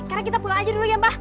karena kita pulang aja dulu ya mbak